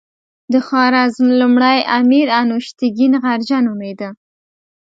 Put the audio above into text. د خوارزم لومړی امیر انوشتګین غرجه نومېده.